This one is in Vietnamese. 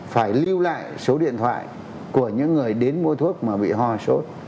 phải lưu lại số điện thoại của những người đến mua thuốc mà bị ho sốt